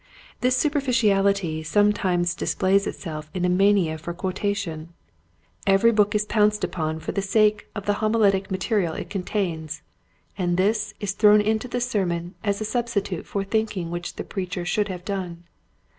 This superficiality sometimes displays itself in a mania for quotation. Every book is pounced upon for the sake of the 1 86 Quiet Hints to Growing Preachers. homiletic material it contains and this is thrown into the sermon as a substitute for thinking which the preacher should have done.